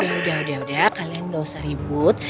ya udah udah kalian gak usah ribut